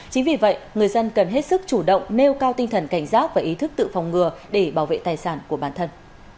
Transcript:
chính vì vậy người dân cần hết sức chủ động nêu cao tinh thần cảnh giác và ý thức tự phòng ngừa để bảo vệ tài sản của bản thân